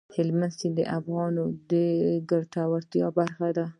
هلمند سیند د افغانانو د ګټورتیا برخه ده.